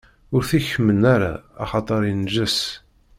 Ur t-ikemmen ara, axaṭer inǧes.